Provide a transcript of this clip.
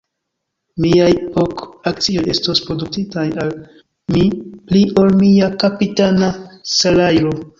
Miaj ok akcioj estos produktintaj al mi pli ol mia kapitana salajro.